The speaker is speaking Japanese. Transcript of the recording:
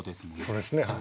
そうですねはい。